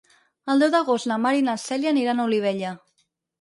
El deu d'agost na Mar i na Cèlia aniran a Olivella.